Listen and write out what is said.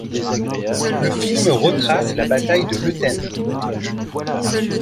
Le film retrace la bataille de Leuthen.